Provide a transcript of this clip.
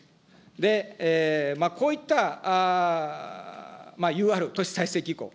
で、こういったＵＲ・都市再生機構。